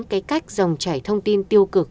cái cách dòng chảy thông tin tiêu cực